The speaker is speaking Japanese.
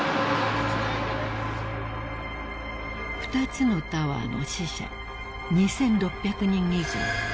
［２つのタワーの死者２，６００人以上］